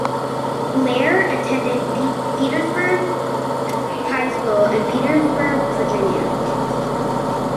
Blair attended Petersburg High School in Petersburg, Virginia.